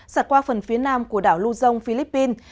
sạt qua phần phía nam của đảo luzon philippines